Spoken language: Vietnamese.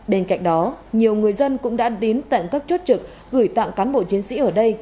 bên cạnh đó nhiều người dân cũng đã đến tận các chốt trực gửi tặng cán bộ chiến sĩ ở đây